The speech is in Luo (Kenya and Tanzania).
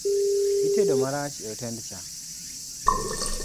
Itedo marach e hotend cha